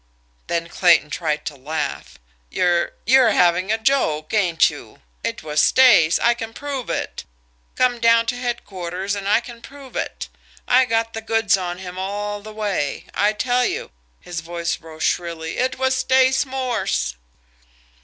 Then Clayton tried to laugh. "You're you're having a joke, ain't you? It was Stace I can prove it. Come down to headquarters, and I can prove it. I got the goods on him all the way. I tell you" his voice rose shrilly "it was Stace Morse."